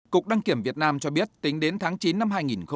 cục đăng kiểm việt nam cho biết tính đến tháng chín năm hai nghìn một mươi chín